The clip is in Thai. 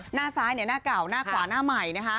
หน้าซ้ายหน้าเก่าหน้าขวาหน้าใหม่นะคะ